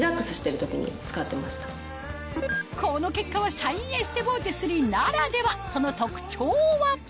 この結果はシャインエステボーテ３ならではその特徴は？